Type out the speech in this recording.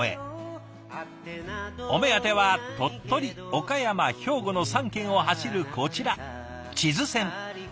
お目当ては鳥取岡山兵庫の３県を走るこちら智頭線。